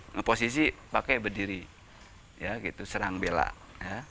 ngeposisi pakai berdiri ya gitu serang bela ya